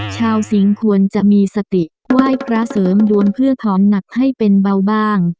สิงห์ควรจะมีสติไหว้พระเสริมดวงเพื่อถอนหนักให้เป็นเบาบ้าง